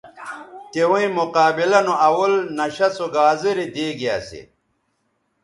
تویں مقابلہ نو اول نشہ سو گازرے دیگے اسے